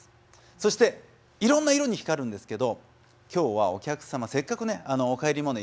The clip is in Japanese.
そしていろんな色に光るんですけど今日はお客様せっかくね「おかえりモネ」